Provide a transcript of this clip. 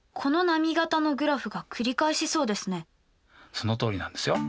そのとおりなんですよ。